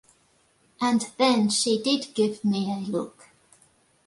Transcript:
And then she did give me a look.